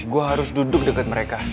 gue harus duduk dekat mereka